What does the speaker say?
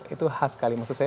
itu khas sekali maksud saya